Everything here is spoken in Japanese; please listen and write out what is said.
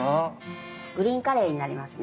グリーンカレーになりますね。